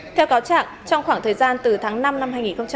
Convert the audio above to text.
theo cáo trạng trong khoảng thời gian từ tháng năm năm hai nghìn một mươi chín